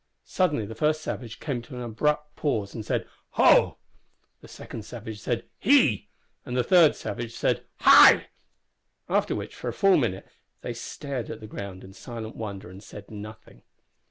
Suddenly the first savage came to an abrupt pause, and said, "Ho!" the second savage said, "He!" and the third said, "Hi!" After which, for full a minute, they stared at the ground in silent wonder and said nothing.